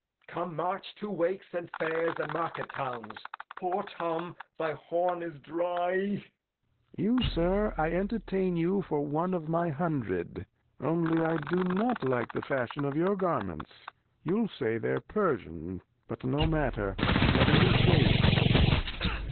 Come, march to Wakes, and Fairs, and Market Towns. Poor Tom, thy Horn is dry. Lear. You, Sir, I entertain you for One of my Hun dred, only I do not like the Fashion of your Garments ; you'll say they're Persian, but no Matter, let 'em be chang'd.